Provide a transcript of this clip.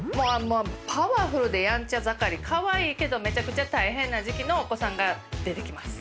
パワフルでヤンチャ盛りかわいいけどめちゃくちゃ大変な時期のお子さんが出てきます。